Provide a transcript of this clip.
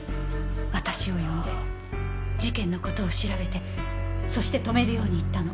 私を呼んで事件の事を調べてそして止めるように言ったの。